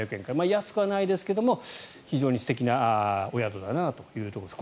安くはないですが非常に素敵なお宿だなというところです。